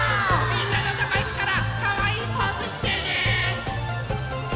みんなのとこいくからかわいいポーズしてね！